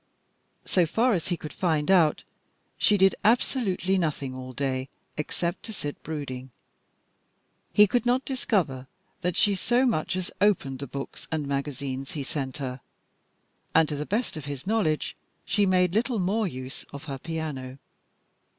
So far as he could find out, she did absolutely nothing all day except to sit brooding. He could not discover that she so much as opened the books and magazines he sent her, and, to the best of his knowledge, she made little more use of her piano.